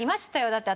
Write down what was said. だって